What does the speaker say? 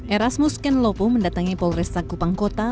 erasmus ken lopo mendatangi polresta kupangkota